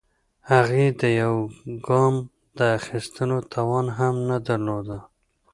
هغې د يوه ګام د اخيستو توان هم نه درلوده.